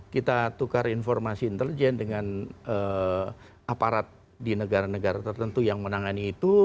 kita tukar informasi intelijen dengan aparat di negara negara tertentu yang menangani itu